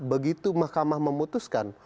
begitu mahkamah memutuskan